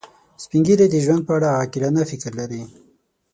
سپین ږیری د ژوند په اړه عاقلانه فکر لري